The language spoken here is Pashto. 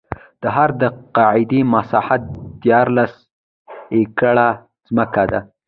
د هرم د قاعدې مساحت دیارلس ایکړه ځمکه ده.